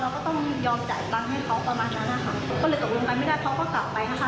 ก็ต้องยอมจ่ายตังค์ให้เขาประมาณนั้นนะคะก็เลยตกลงกันไม่ได้เขาก็กลับไปนะคะ